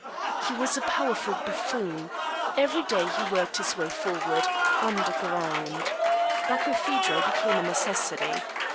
He was a powerful buffoon. Every day he worked his way forward underground. Barkilphedro became a necessity.